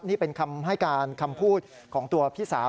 นี่เป็นคำให้การคำพูดของตัวพี่สาว